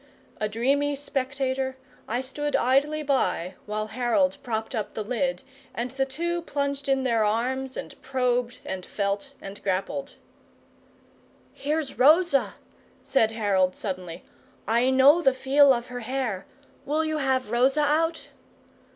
A dreamy spectator, I stood idly by while Harold propped up the lid and the two plunged in their arms and probed and felt and grappled. "Here's Rosa," said Harold, suddenly. "I know the feel of her hair. Will you have Rosa out?"